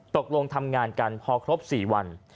ตกลงทำงานกันพอครบ๔วัน